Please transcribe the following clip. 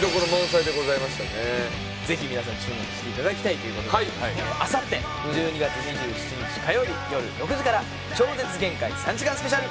ぜひ皆さん注目していただきたいということであさって１２月２７日火曜日夜６時から『超絶限界』３時間スペシャル。